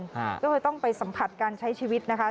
ก็เลยต้องไปสัมผัสการใช้ชีวิตนะคะ